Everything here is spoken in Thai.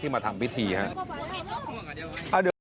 ที่มาทำวิธีฮะ